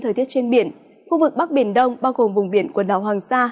thời tiết trên biển khu vực bắc biển đông bao gồm vùng biển quần đảo hoàng sa